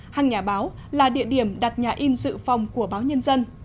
hàng nhà báo là địa điểm đặt nhà in dự phòng của báo nhân dân